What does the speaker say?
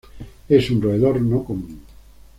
Es un roedor no común.